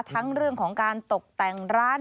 ทั้งเรื่องของการตกแต่งร้าน